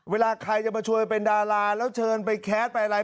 เวลาใครจะมาช่วยเป็นดาราแล้วเชิญไปแคสต์ไปอะไร